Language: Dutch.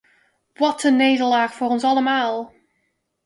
Wat een nederlaag voor ons allemaal!